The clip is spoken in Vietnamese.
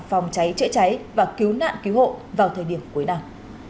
phòng cháy chữa cháy và cứu nạn cứu hộ vào thời điểm cuối năm